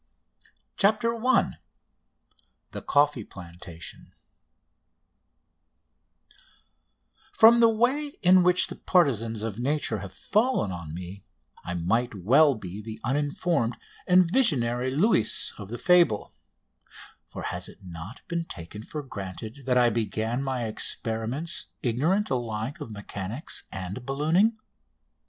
CHAPTER I THE COFFEE PLANTATION From the way in which the partisans of Nature have fallen on me I might well be the uninformed and visionary Luis of the fable, for has it not been taken for granted that I began my experiments ignorant alike of mechanics and ballooning?